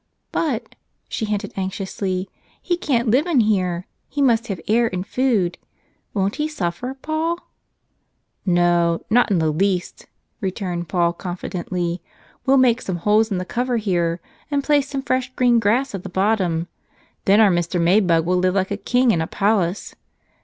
"But," she hinted anxiously, "he can't live in here; he must have air and food. Won't he suffer, Paul?" "No, not in the least," returned Paul confidently. "We'll make some holes in the cover here and place some fresh green grass at the bottom. Then our Mr. May bug will live like a king in a palace.